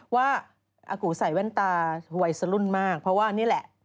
ว่าอากูใส่แว่นตาวัยสรุ่นมากเพราะว่านี่แหละ